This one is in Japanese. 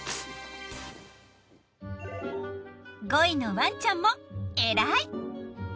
５位のワンちゃんも偉い。